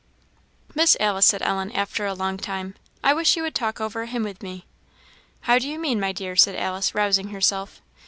"Miss Alice," said Ellen, after a long time "I wish you would talk over a hymn with me." "How do you mean, my dear?" said Alice, rousing herself.